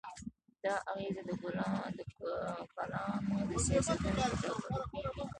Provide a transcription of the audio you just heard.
دا اغېز د کلانو سیاستونو په ټاکلو کې وي.